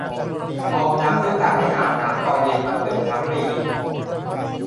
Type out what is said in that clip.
ออมน้ำด้วยการไม่อาบน้ำตอนเย็นมาเกือบทั้งปี